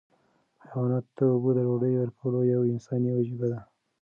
حیواناتو ته اوبه او ډوډۍ ورکول یوه انساني وجیبه ده.